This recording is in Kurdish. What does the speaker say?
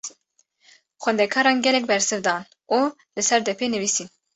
Xwendekaran gelek bersiv dan û li ser depê nivîsîn.